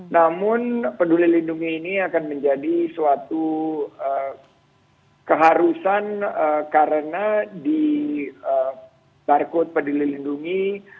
namun peduli lindungi ini akan menjadi suatu keharusan karena di barcode peduli lindungi